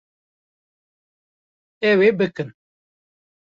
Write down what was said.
Ew ê bikin